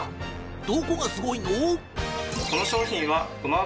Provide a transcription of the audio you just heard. どこがすごいの？